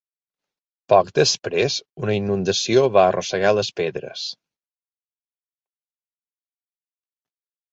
Poc després, una inundació va arrossegar les pedres.